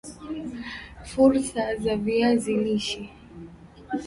Fursa za viazi lishe